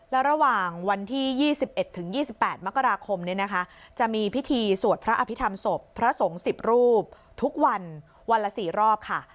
แล้วระหว่างวันที่๒๑๒๘มกราคมจะมีพิธีสวดพระอภิษฐรรมศพพระสงฆ์๑๐รูปทุกวันวันละ๔รอบค่ะ